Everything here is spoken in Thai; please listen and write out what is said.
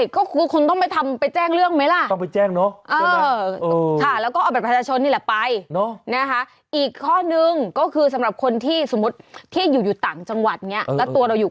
ก็คือคุณต้องไปแจ้งเรื่องไหมล่ะ